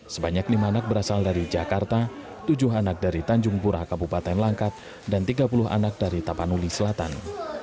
sebanyak lima anak berasal dari jakarta tujuh anak dari tanjung pura kabupaten langkat dan tiga puluh anak dari tapanuli selatan